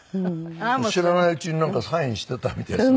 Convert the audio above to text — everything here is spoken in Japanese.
知らないうちにサインしてたみたいですね。